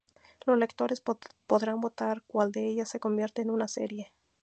Los lectores podrán votar cual de ellas se convierte en una serie.